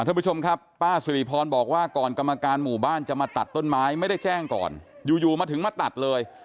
ท่านผู้ชมครับป้าสุริพรบอกว่าก่อนกรรมการหมู่บ้านจะมาตัดต้นไม้ไม่ได้แจ้งก่อนอยู่มาถึงมาตัดเลย